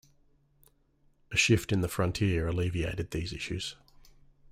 A shift in the frontier alleviated these issues.